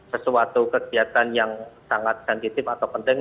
sesuatu kegiatan yang sangat sensitif atau penting